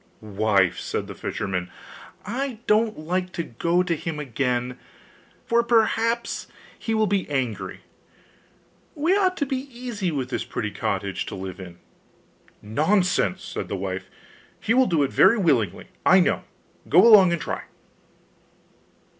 'Wife,' said the fisherman, 'I don't like to go to him again, for perhaps he will be angry; we ought to be easy with this pretty cottage to live in.' 'Nonsense!' said the wife; 'he will do it very willingly, I know; go along and try!